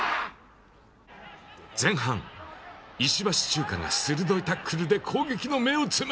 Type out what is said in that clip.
前半、石橋チューカが鋭いタックルで攻撃の芽を摘む。